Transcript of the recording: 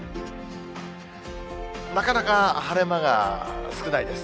なかなか晴れ間が少ないです。